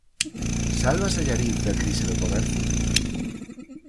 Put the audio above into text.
Sálvase Allariz da crise do comercio?